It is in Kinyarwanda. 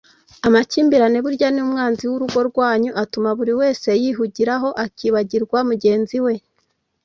Amakimbirane burya ni umwanzi w’urugo rwanyu atuma buri wese yihugiraho akibagirwa mugenzi we